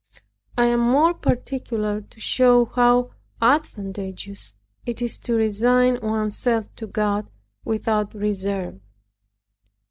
I am more particular to show how advantageous it is to resign one's self to God without reserve.